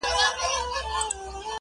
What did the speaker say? چي په كالو بانـدې زريـــن نه ســـمــه،